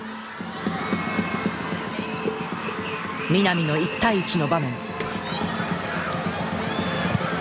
南の１対１の場面。